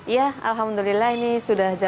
ya alhamdulillah ini sudah jalan